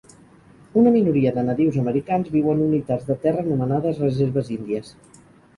Una minoria de nadius americans viu en unitats de terra anomenades reserves índies.